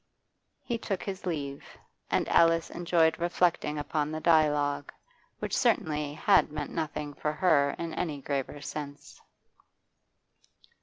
He took his leave, and Alice enjoyed reflecting upon the dialogue, which certainly had meant nothing for her in any graver sense.